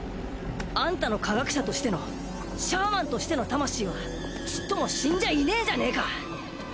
アンタの科学者としてのシャーマンとしての魂はちっとも死んじゃいねえじゃねえか。